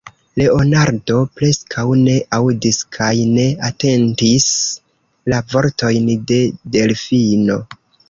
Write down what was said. Leonardo preskaŭ ne aŭdis kaj ne atentis la vortojn de Delfino.